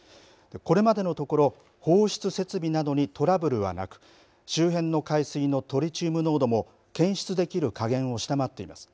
これまでのところ放出設備などにトラブルはなく周辺の海水のトリチウム濃度も検出できる下限を下回っています。